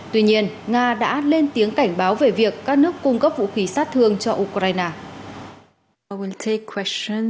tuy nhiên nga đã lên tiếng cảnh báo về việc các nước cung cấp vũ khí sát thương cho ukraine